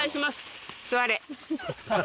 座れ。